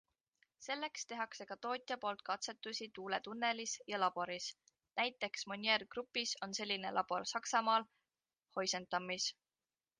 Selleks tehakse ka tootja poolt katsetusi tuuletunnelis ja laboris, näiteks Monier Grupis on selline labor Saksamaal, Heusentammis.